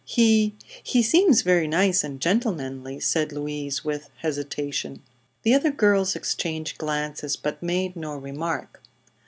"He he seems very nice and gentlemanly," said Louise with hesitation. The other girls exchanged glances, but made no remark.